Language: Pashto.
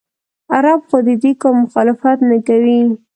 عرب خو د دې کار مخالفت نه کوي.